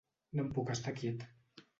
No em puc estar quiet.